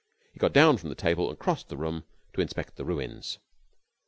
He got down from the table and crossed the room to inspect the ruins.